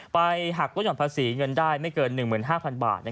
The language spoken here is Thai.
หักลดห่อนภาษีเงินได้ไม่เกิน๑๕๐๐บาท